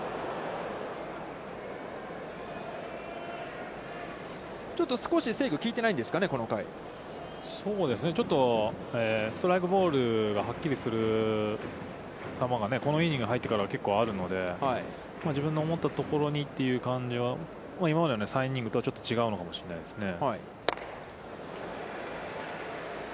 そうですね、ちょっとストライク、ボールがはっきりする球が、このイニングに入ってからは結構あるので、自分の思ったところにという感じは、今までの３イニングスとは、ちょっと違うのかもしれないですね。